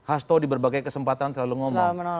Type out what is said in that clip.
hasto di berbagai kesempatan selalu ngomong